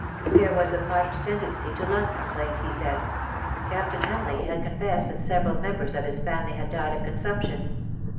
There was a marked tendency to lung complaint, he said ; Captain Hamleigh had confessed that several members of his family had died of consumption.